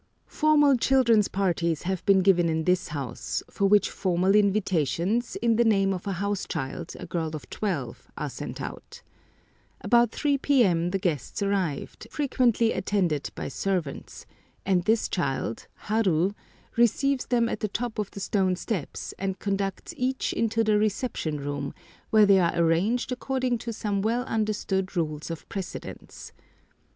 Formal children's parties have been given in this house, for which formal invitations, in the name of the house child, a girl of twelve, are sent out. About 3 p.m. the guests arrive, frequently attended by servants; and this child, Haru, receives them at the top of the stone steps, and conducts each into the reception room, where they are arranged according to some well understood rules of precedence.